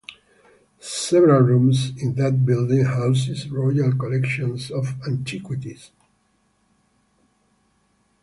Several rooms in that building housed royal collections of antiquities.